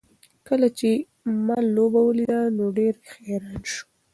کله چې ما لوبه ولیده نو ډېر حیران شوم.